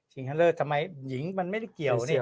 หญิงฮันเลอร์ทำไมหญิงมันไม่ได้เกี่ยว